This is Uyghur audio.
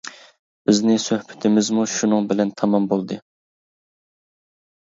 بىزنى سۆھبىتىمىزمۇ شۇنىڭ بىلەن تامام بولدى.